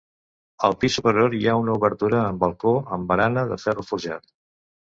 Al pis superior hi ha una obertura amb balcó amb barana de ferro forjat.